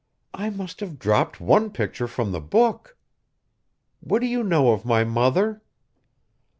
I must have dropped one picture from the book. What do you know of my mother?"